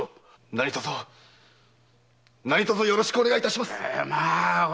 何とぞ何とぞよろしくお願いいたします。